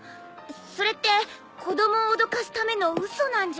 それって子供を脅かすための嘘なんじゃ？